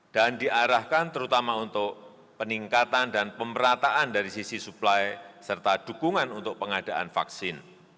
dan diarahkan terutama untuk peningkatan dan pemerataan dari sisi suplai serta dukungan untuk pengadaan vaksin